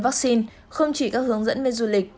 vaccine không chỉ các hướng dẫn bên du lịch